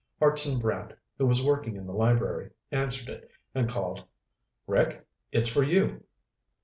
Hartson Brant, who was working in the library, answered it and called, "Rick? It's for you."